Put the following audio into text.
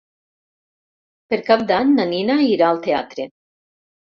Per Cap d'Any na Nina irà al teatre.